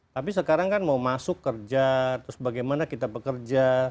tapi sekarang kan mau masuk kerja terus bagaimana kita bekerja